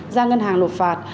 ra ngân hàng lục phạt